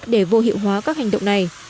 để vô hiệu hóa các hành động này